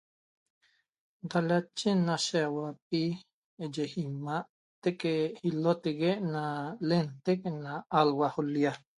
Da lache na shiaxauapi eye imaa teque ilotegue na lenteq na alua' ul'lia